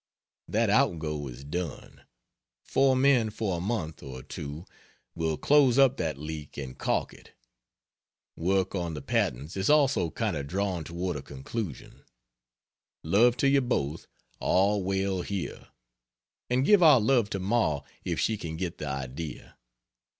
That outgo is done; 4 men for a month or two will close up that leak and caulk it. Work on the patents is also kind of drawing toward a conclusion. Love to you both. All well here. And give our love to Ma if she can get the idea.